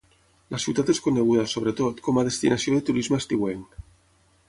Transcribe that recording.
La ciutat és coneguda, sobretot, com a destinació de turisme estiuenc.